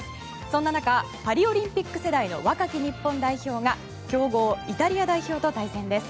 そんな中パリオリンピック世代の若き日本代表が強豪イタリア代表と対戦です。